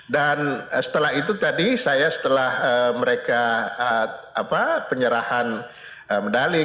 dan setelah itu tadi saya setelah mereka penyerahan medali